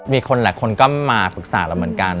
มีคนหลายคนก็มาปรึกษาเราเหมือนกัน